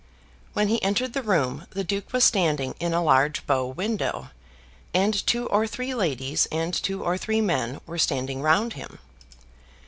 When he entered the room the Duke was standing in a large bow window, and two or three ladies and two or three men were standing round him.